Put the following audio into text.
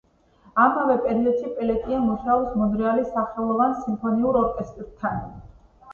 ამავე პერიოდში პელეტიე მუშაობს მონრეალის სახელოვან სიმფონიურ ორკესტრთან.